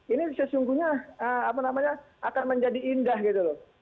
ini sesungguhnya akan menjadi indah gitu loh